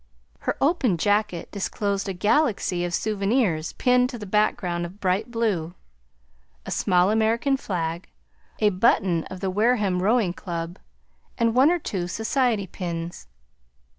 Her open jacket disclosed a galaxy of souvenirs pinned to the background of bright blue, a small American flag, a button of the Wareham Rowing Club, and one or two society pins.